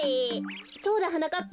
そうだはなかっぱ。